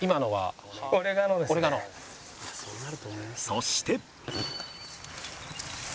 そして